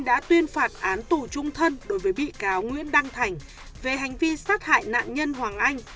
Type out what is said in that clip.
đã tuyên phạt án tù trung thân đối với bị cáo nguyễn đăng thành về hành vi sát hại nạn nhân hoàng anh